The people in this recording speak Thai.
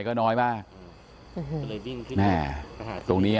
ฐานพระพุทธรูปทองคำ